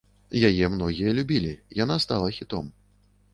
Яе многія любілі, яна стала хітом.